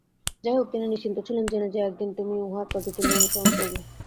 যাইহোক তিনি নিশ্চিন্ত ছিলেন জেনে যে, একদিন তুমি উনার পদচিহ্ন অনুসরণ করবে।